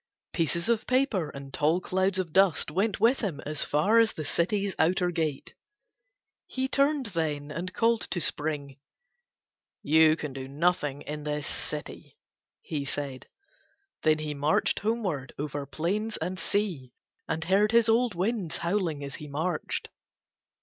Pieces of paper and tall clouds of dust went with him as far as the city's outer gate. He turned then and called to Spring: "You can do nothing in this city," he said; then he marched homeward over plains and sea and heard his old winds howling as he marched.